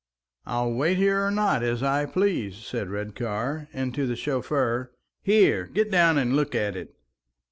"I'll wait here or not as I please," said Redcar; and to the chauffeur, "Here! get down and look at it!"